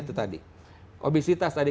itu tadi obesitas tadi